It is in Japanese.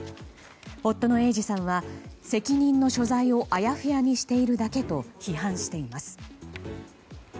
夫の英治さんは、責任の所在をあやふやにしているだけと批判しています。